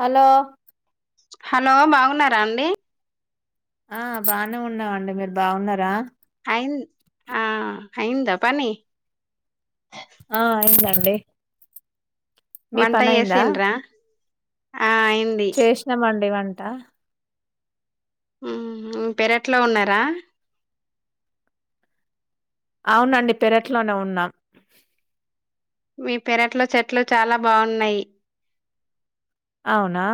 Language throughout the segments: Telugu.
హలో హలో బాగున్నారా అండి ఆ బానే ఉన్నమండి మీరు బాగున్నరా అయిం ఆ అయింద పని ఆ అయిందండి వంట చేసిన్ర చేష్నామండి వన్ టా ఉహు పెరట్లో ఉన్నరా అవునండి పెరట్లోనే ఉన్నాం మీ పెరట్లో చెట్లు చాలా బాగున్నాయి అవునా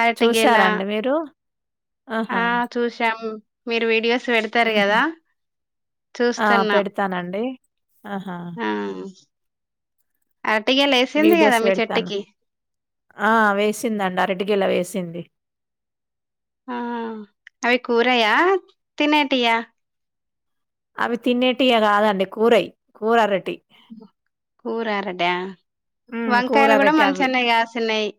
అరటిగెల చూసార అండి మీరు ఆహా ఆ చూసాము మీరు వీడియోస్ పెడ్తారు మ్మ్. కదా ఆ చూస్తున్నాం పెడతానండి ఆహా ఆ అరటిగెల వేసింది కదా వీడియోస్ మీ వేడ్తాను చెట్టుకి ఆ వేసిందండి అరటి గెల వేసింది ఆ అవి కూరయా తినేటియా అవి తినేటియ కాదండి కూరయ్ కూర అరటి కూర అర డా ఉమ్ కూర వంకాయలు కూడా అరటి అవి మంచనే కాసినయి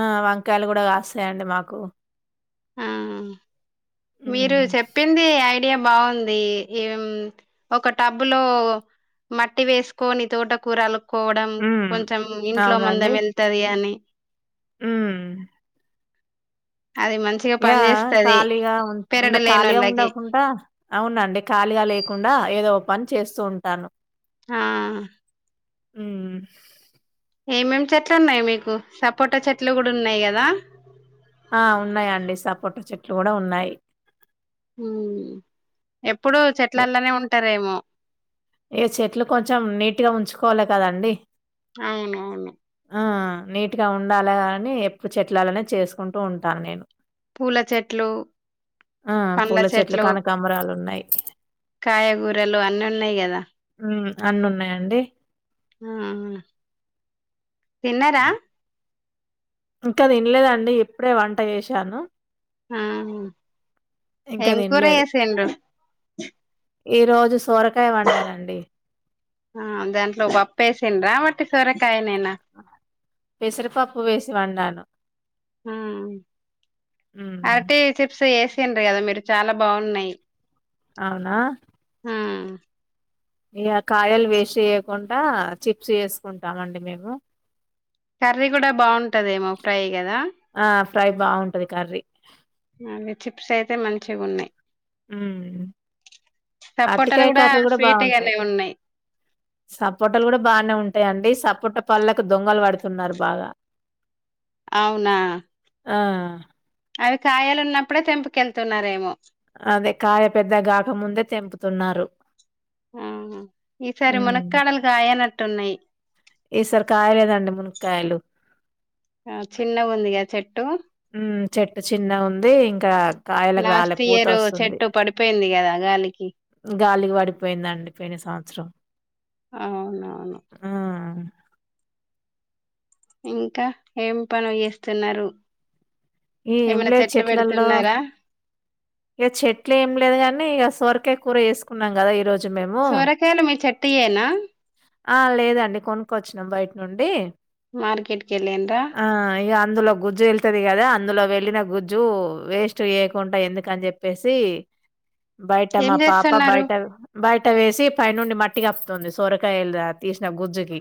ఆ వంకాయిలు కూడా కాస్తాయండి మాకు ఆ మీరు ఉమ్ చెప్పింది ఐ ఐడియా బాగుంది ఇగ ఒక టబ్బు లో మట్టి వేసుకొని తోట కూరలు కోవడం ఉమ్ కొంచం ఇంట్లో మందం వెళ్తది అని మ్మ్ అది మంచిగా యా పని చేస్తది ఖాళీగా ఉ ఉండ పెరడు ఖాళీగా లేనోళ్ళకి ఉండకుండా అవునండి ఖాళీగా లేకుండా ఏదో పని చేస్తూ ఉంటాను ఆ హ్మ్ ఏమేమ్ చెట్లు ఉన్నాయ్ మీకు సపోటా చెట్లు గుడా ఉన్నాయి కదా ఆ ఉన్నాయండి సపోటా చెట్లు కూడా ఉన్నాయ్ మ్ ఎప్పుడు ఎ చెట్లల్లనే ఉంటారేమో ఏ చెట్లు కొంచం నీట్గా ఉంచుకోవాలి కదండి అవునవును ఆ నీట్ గా ఉండాలా గాని ఎప్పుడు చెట్లలనే చేసుకుంటూ ఉంటా నేను పూల చెట్లు ఆ పూల చెట్లు కనకాంబరాలు ఉన్నాయి కాయగూరలు అన్నీ ఉన్నాయి కదా మ్మ్ అన్ని ఉన్నాయండి హ్మ్ తిన్నార ఇంకా తిన్లేదండి ఇప్పుడే వంట చేసాను ఆ ఇంకా ఏం కూర తినలేదు. చేసిండ్రు ఈరోజు సొరక ఆ దాంట్లో పప్పేసిండ్ర వట్ ట్ సొరకాయ పెసరపప్పు వేసి వండాను మ్మ్ హ్మ్. అంటే చిప్స్ ఏ చిండ్రు కదా మీరు చాలా బాగున్నాయి అవునా ఉమ్ ఇగ కాయలు వేసి చేయకుండా చిప్స్ వేసుకుంటామండి మేము కర్రీ కూడా బాగుంటదమో ఫ్రై కదా ఆ ఫ్రై బాగుంటది కర్రీ అవి చిప్స్ అయితే మంచిగా ఉన్నాయి హ్మ్ సపోటాలు అరటికాయ కర్రీ కూడా స్వీట్ బాగుంది గానే ఉన్నాయి సపోటలు కూడా బానే ఉంటాయిండి సప్ పుట్ట పళ్ళకు దొంగలు పడుతున్నారు బాగా అవునా ఆ అవి కాయలు ఉన్నప్పుడే తెంపికెళ్తున్నారేమో అదే కాయ పెద్ద కాగాకముందే తెంపుతున్నారు. ఆ ఈసారి హ్మ్ మునక్కాడలు కాయనట్టు ఉన్నాయి. కాయలు ఆ చిన్నగుందిగా చెట్టు ఊ చెట్టు చిన్నగుంది ఇంకా కాయలకు రాలే లాస్ట్ పూత ఇయర్ వస్తుంది. చెట్టు పడిపోయింది కదా గాలికి గాలికి పడిపోయిందండి పొయిన సంవత్సరం అవునవును ఇంకా ఏం పనులు చేస్తున్నారు. ఏ ఏం ఏమైనా లేదు చెట్లు చెట్లల్లో పెడుతున్నారా ఇక చెట్లు ఏం లేదు గాని ఇక సొరకాయ కూర చేసుకున్నాం కదా ఈరోజు చ్చు మేము సోరకాయలు మీ చెట్టుయేనా ఆ లేదండి కొనుకొచ్చినమ్ బయట నుండి మార్కెట్ కి వెళ్ళిండ్ర ఆ ఇగ అందులో గుజ్జు వెళ్తుది కదా అందులో వెళ్లిన గుజ్జు వేస్ట్ చేయకుంట ఎందు కని చెప్పేసి బయట ఏం మా పాప చేస్తున్నారు బయట బయట వేసి పైనుండి మట్టికప్పుతుంది సొరకాయలు తీసిన గుజ్జుకి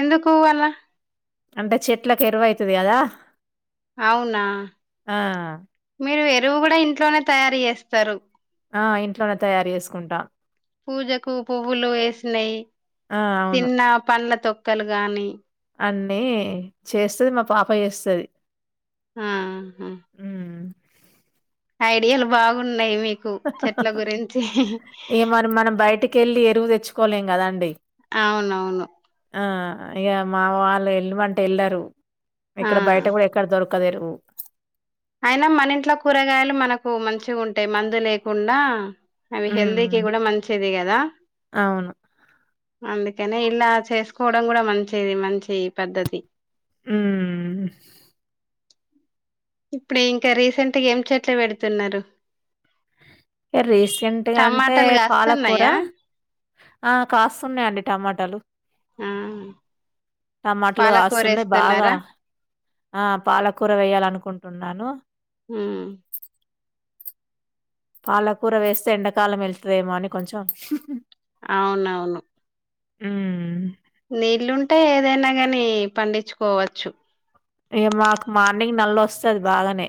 ఎందుకు అలా అంటే చెట్లకు ఎరువయితది కదా అవునా ఆ మీరు ఎరువు కూడా ఇం ఇంట్లోనే తయారు చేస్తారు. ఆ ఇంట్లోనే తయారు చేసుకుంటా పూజకు పువ్వులు వేసినయి ఆ అవును తిన్న పండ్లతో క్కలు గాని అన్నీ చేస్తది మా పాప చేస్తది. ఆహా ఉమ్ ఐడియాలు బాగున్ ఏమని మనం బయటికి వెళ్ళి ఎరువు తెచ్చుకో కోలేం కదండి. అవునవును. ఆ ఇక మా వాళ్ళు వెళ్ళమంటే వెళ్లరు. ఆ ఇక్కడ బయట కూడా ఎక్కడ దొరక్ కదేరువు. అయినా మన ఇంట్లో కూరగాయలు మనకు మంచిగుంటయి మందు లేకుండా అవి హెల్దీకి హ్మ్. కూడా మంచిది కదా అవును. అందుకనే ఇలా చేసుకోవడం కూడా మంచిది మంచి పద్ధతి ఊ ఇప్పుడు ఇంకా రీసెంట్గా ఏం చెట్లు పెడుతున్నరు. రీసెంట్గా అంటే పాలకూర కాస్తున్నాయా ఆ కాస్తున్నాయి అండి టమాటాలు ఆ టమాటాలు పాలకూర కాస్తున్నాయి బాగా వేస్తున్నారా ఆ పాలకూర వేయ్యాలనుకుంటున్నాను ఉమ్ పాలకూర వేస్తే ఎండాకాలం వెళ్తుదేమో అని కొంచెం అవునవును ఉమ్మ్ నీళ్లుంటే ఏదైనా గాని పండిచ్చుకోవచ్చు ఏ మాకు మార్నింగ్ నల్ల వస్తది బాగానే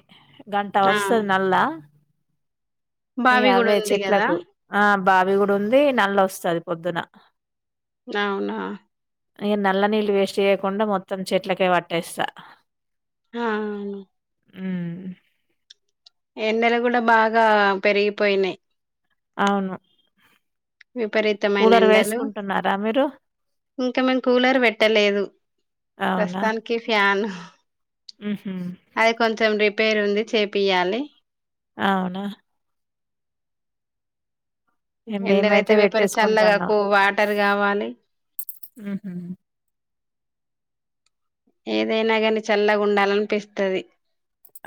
దాంటో ఆ వస్తది నల్ల ఇగ బావి కూడా అవే ఉంది కదా చెట్లకు ఆం బావి కూడా ఉంది నల్ల వస్తది పొద్దున అవునా ఇగ నల్ల నీళ్ళు వేస్ట్ చేయకుండా మొత్తం చెట్లకే పట్టేస్తా ఆ ఉమ్మ్ ఎండలు కూడా బాగా పెరిగిపోయినాయి అవును విపరీతమైన కూలర్ ఎండలు వేసుకుంటున్నారా మీరు ఇంకా మేము కూలర్ పెట్టలేదు అవునా ప్రస్తుతానికి ఫ్యాన్ ఉహు అది కొంచెం రిప్ పేరుంది చేపియ్యాలి అవునా ఇగ ఎండలయితే మేమైతే విపరి చల్లగా పెట్టేసుకుంటాన్నాం కు వాటర్ కావాలి ఊహూ ఏదైనా గాని చల్లగుండాలనిపిస్తది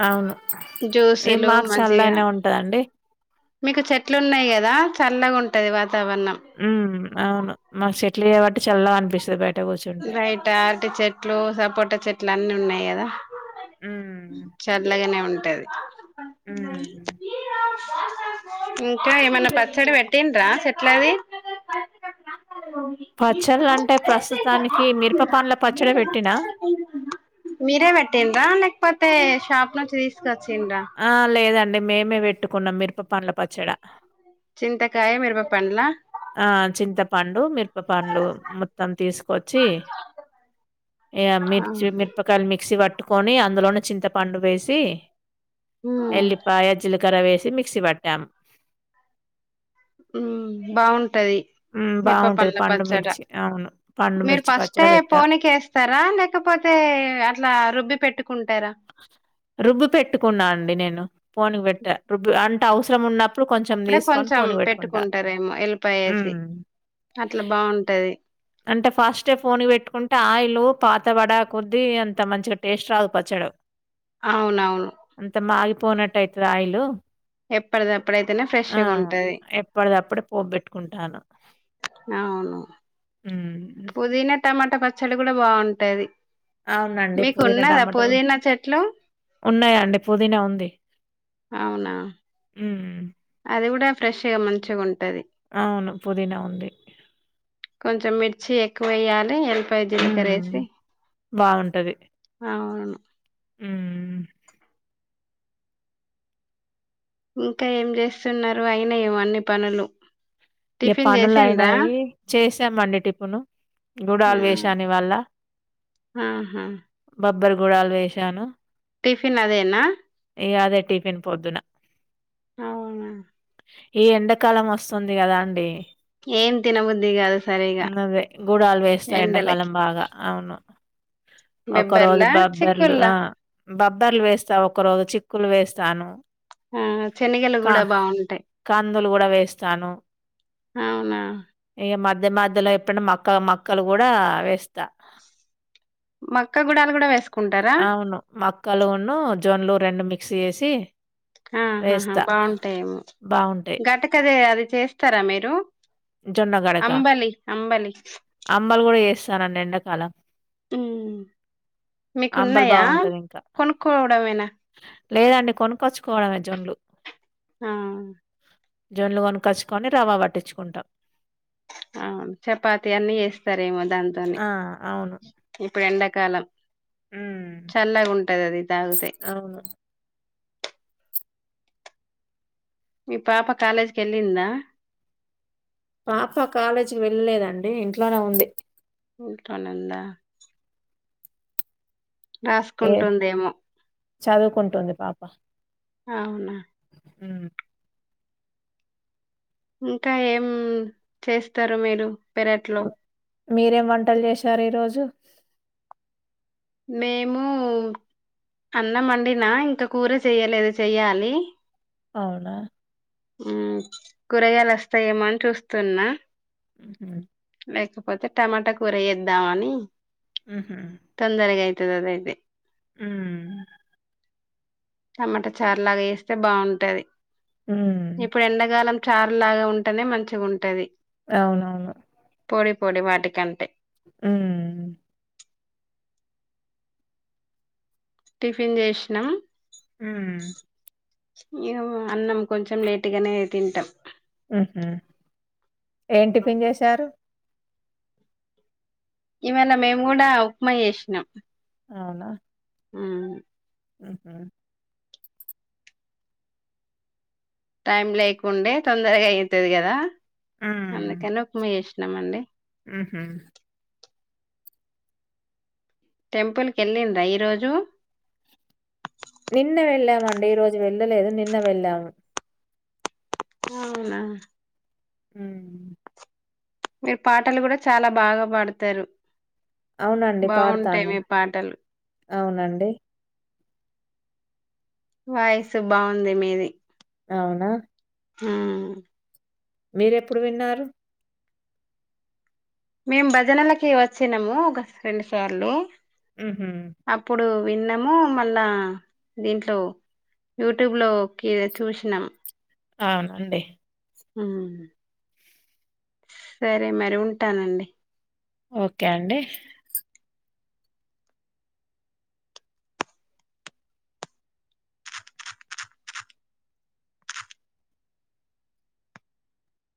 అవును ఇగ జ్యూసులు మాకు మంచిగా చల్లనే ఉంటదండి మీకు చెట్లున్నాయి కదా చల్లగుంటది వా ఉమ్ అవును మా చెట్లు కాబట్టి చల్లగ అనిపిస్తది బే బయట అరటి చెట్లు సపోటా చెట్లన్నీ ఉన్నాయి కదా ఉమ్ చల్లగానే ఉన్ టది అ న ఉమ్ ఇంకా ఏమన్నా పచ్చడి పెట్టిండ్రా చెట్లది పచ్చళ్ళంటే ప్రస్తుత దానికి మిరపపండ్ల పచ్చడి పెట్టినా మీరే పెట్టిండ్రా లేకపోతే షాప్ ల చెస్ ఆ లేదండి మేమే పెట్టుకున్నం మిరప పండ్ల పచ్చడా చింతకాయ మీరప పండ్ల ఆ చింతపండు మిరపపండ్లు మొత్తం తీసుకొచ్చి ఇగ మిర్చి మిర్పకాయాలు మిక్సీ వాట్ ట్టుకొని అందులోనే చింతపండు వేసి ఎల్లిపాయ జిల్ కర వేసి మిక్సీ పట్టం హు బాగుం టది హ్మ్. మిరప బావుంటది పండ్ల పండు పచ్చడ మిర్చి. అవును. పండు మీరు మిర్చి పచ్చడ ఫస్ట్ఏ పెట్టా. పోనీకేస్తారా లేకపోతే అట్లా రుబ్బి పెట్టు రుబ్బి పెట్టుకున్నా అండి నేను ఫోన్ పెట్టా రుబ్బి అన్ టే అవసరం ఉన్న అప్పుడే కొంచెం పెట్టుకుంటారేమో ఎల్లిపాయేసి హ్మ్. అట్లా బాగుంటది అంటే ఫస్ట్ే ఫోనీ పెట్టుకుంటే ఆయిలు పాత వడా కొద్దీ అంత మంచిగా టేస్ట్ రాదు పచ్చడ అవునవును పోనటైతది ఆయిలు ఎప్పటిదప్పుడైతేనే ఆ! ఫ్రెష్గా ఉంటది ఎప్పటిదప్పుడు పోబెట్టుకుంటాను. అవును హ్మ్. పుదిిన టమా మాట పచ్చడ కూడా బాగుంటది అవునండి మీకు పుదీనా ఉన్నదా టమాట పుదీనా చెట్లు ఉన్నాయండి పుదీిన ఉంది అవునా హ్మ్. అదిగుడ ఫ్రెష్ గా మంచిగుంటది అవును పుదీనా ఉంది కొంచెం మిర్చి ఎక్కువ వేయ్యాలి ఎ హు బాగుంటది అవును హు ఇంకా ఏం చేస్తున్నారు అయినయేమొ అన్ని పనులు ఇగ టిఫిన్ పనులు చేసిండ్రా అయినాయి చేసామండి టిప్పును ఆ, గుడాలు వేసాను ఇవ్వాల్ళ ఆహా బోబ్బర్ గుడలు వేసాను టిఫిన్ అదేనా టీఫన్ పోద్దున అవునా ఈ ఎండాకాలం వస్తుంది కదా అండి ఏం తినబుద్ధి కాదు సరిగా గవే గుడాలు వేస్తా ఎండాకాలం బాగా అవును బెబ్బర్ల్లా చికుల్లా బబ్బర్లు వేస్తావు ఒక రోజు చిక్కులు వేస్తాను ఆ శనగలు కా కూడా బాగుండ కందులు కూడా వేస్తాను అవునా ఇగా మధ్య మధ్యలో ఎప్పునా మక్క మక్కలు కూడా వేస్తా మక్క గుడాలు కూడా వేసుకుంటారా కలువును జొన్లు రెండు మిక్స్ చేసి ఆహా హా వేస్తా బాగుంటాయేమో బాగుంటాయి గట్టకదే అది చేస్తారా మీరు జొన్నగడక అంబలి అంబలి అంబలు కూడా వేస్తానండి ఎండాకాలం ఉమ్ అంబలు మీకున్నాయా బాగుంటది ఇంకా కొనుక్కోవడమేనా లేదండి కొనుకచ్చు కోడమి జోన్లు ఆ జొన్లు కొనుకచ్చుకొని రవ్వ పట్టించుకుంటాం ఆ చపాతి అన్ని చేస్తారేమో దాంతోని ఆ అవును ఇప్పుడు ఎండ కలం ఉమ్ చల్లాగా ఉంటది అది తాగుతే అవును మీ పాప కాలేజ్ ఎల్లింద పాప కాలేజీకి వెళ్ళలేదండి ఇంట్లోనే ఉంది ఇంట్లోనే ఉందా ఏ రాసుకుంటుందేమో చదువుకుంటుంది పాప అవునా హ్మ్ ఇంకా ఏం చేస్తరు మీరు పెరట్లో మీరేం వంటలు చేశారు ఈ రోజు మేము అన్నం వండిన ఇంకా కూర చెయ్యలేదు చెయ్యాలి అవునా మ్మ్ కూరగాయలు వస్తాయేమో అని చూస్తున్నా హ్మ్ హు లేకపోతే టమాటా కూర యేద్దామని హ్మ్ హు తొందరగా అయితది అదఅయితే మ్మ్ టమాటా చారు లాగా ఏస్తే బాగుంటది ఉమ్ ఇప్పుడు ఎండాకాలం చార్ లాగా ఉంటేనే మంచిగుంటది అవునవును పొడి పొడి వాటికంటే హుమ్మ్ టిఫిన్ చేసినాం హుమ్మ్ అన్నం కొంచెం లేటుగానే తింటం ఉహు ఏం టిఫిన్ చేసారు ఇవాళ మేము కూడా ఉప్మా చేసినం అవునా ఉమ్ ఆమ్ టైం లేకుండే తొందరగా అయితది కదా ఉమ్ అందుకని ఉక్మ చేసినమండి ఉహు టెంపుల్ కెళ్ళిండ్రా ఈ రోజు నిన్న వెళ్ళామండి ఈ రోజు వెళ్ళలేదు నిన్న వెళ్ళాము అవునా హుమ్మ్ మీరు పాటలు కూడా చాలా బాగా పాడతారు అవునండి బాగుంటాయి పాడతాను మీ పాటలు అవునండి వాయిస్ బాగుంది మీది అవునా హు మీరెప్పుడు విన్నారు మేము భజనలకి వచ్చినము ఒక రెండు సార్లు ఉహు అప్పుడు విన్నాము మళ్ళా దీంట్లో యూట్యూబ్ లోకి చూసినం అవునండి సరే మరి ఉంటానండి ఓకే అండి